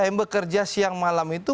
yang bekerja siang malam itu